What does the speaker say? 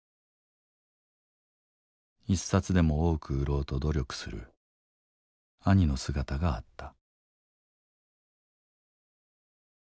一冊でも多く売ろうと努力する兄の姿があった。